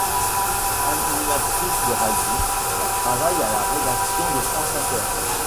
Animatrice de radio, elle travaille à la rédaction de France Inter.